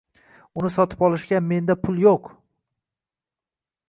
Uni sotib olishga menda pul yoʻq.